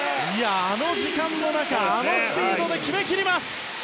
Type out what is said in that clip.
あの時間の中であのスピードで決めきりました！